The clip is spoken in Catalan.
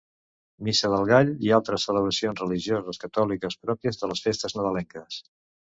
Missa del Gall i altres celebracions religioses catòliques pròpies de les festes nadalenques.